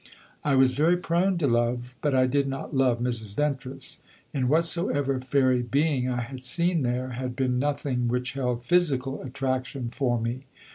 I was very prone to love, but I did not love Mrs. Ventris. In whatsoever fairy being I had seen there had been nothing which held physical attraction for me.